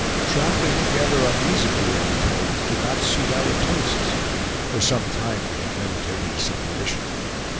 Traveling together on these agreeable terms did not suit our tastes; for some time we had meditated a separation.